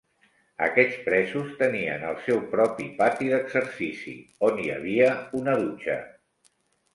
Aquests presos tenien el seu propi pati d'exercici, on hi havia una dutxa.